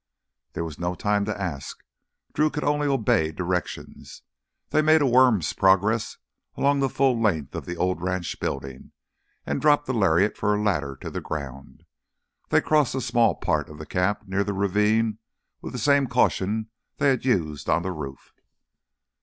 There was no time to ask; Drew could only obey directions. They made a worm's progress along the full length of the old ranch building, and dropped the lariat for a ladder to the ground. They crossed the small part of the camp near the ravine with the same caution they had used on the roof.